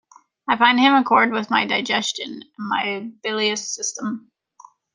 I find him accord with my digestion and my bilious system.